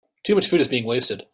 Too much food is being wasted.